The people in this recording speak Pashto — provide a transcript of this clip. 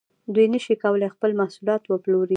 دوی نشي کولای خپل محصولات وپلوري